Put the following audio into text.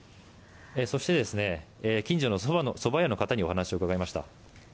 そして近所のそば屋の方にお話を伺いました。